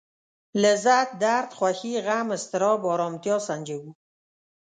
لذت درد خوښي غم اضطراب ارامتيا سنجوو.